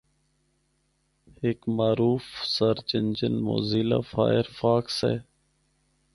ہک معروف search engine موزیلہ فائرفاکس ہے۔